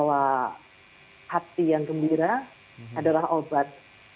bahwa hati yang gembira adalah obat